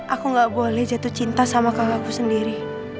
aku gak boleh jatuh cinta sama kakakku sendiri